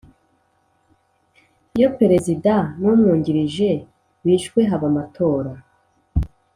Iyo perezida n umwungirije bishwe haba amatora